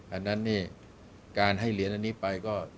อันนั้นนี่การให้เหรียญอันนี้ไปก็